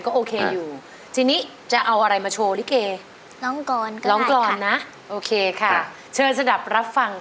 มีวิธีการหนะที่เราจะได้สั่งอีกบ้าง